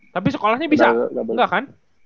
tapi sekolahnya bisa enggak kan